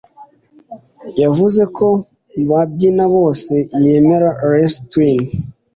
yavuze ko mubabyini bose yemera les twins